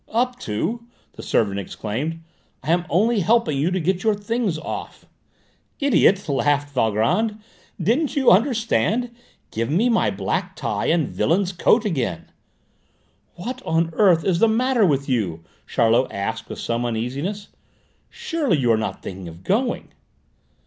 "Up to?" the servant exclaimed: "I am only helping you to get your things off." "Idiot!" laughed Valgrand. "Didn't you understand? Give me my black tie and villain's coat again." "What on earth is the matter with you?" Charlot asked with some uneasiness. "Surely you are not thinking of going?"